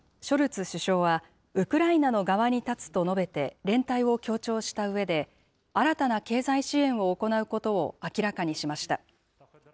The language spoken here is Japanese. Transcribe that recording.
ショルツ首相は、ウクライナの側に立つと述べて、連帯を強調したうえで、新たな経済支援を行うことを明らかにしました。